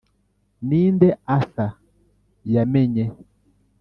ninde arthur yamenye?